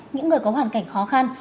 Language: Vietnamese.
những người có hoàn cảnh khó khăn